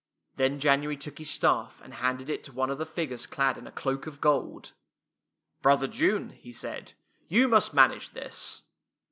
Then January took his staff and handed it to one of the figures clad in a cloak of gold. " Brother June," he said, " you must man age this."